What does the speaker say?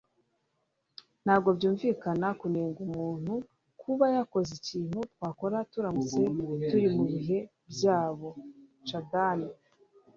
Ntabwo byumvikana kunenga umuntu kuba yarakoze ikintu twakora turamutse turi mubihe byabo. (chajadan)